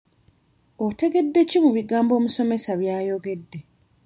Otegedde ki mu bigambo omusomesa by'ayogedde?